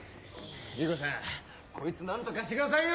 理子さんこいつ何とかしてくださいよ！